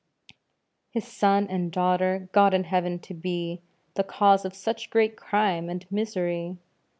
His son and daughter God in heaven to be The cause of such great crime and misery!